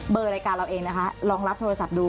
รายการเราเองนะคะลองรับโทรศัพท์ดู